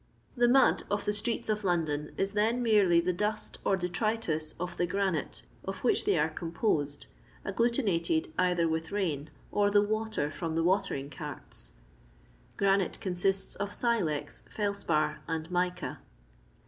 The mud of the streets of London is then Merely the dust or detritus of the granite of which they are composed, agglutinated either with rain or the water from the watering carts. Gra nite consists of silez, felspar, and mica.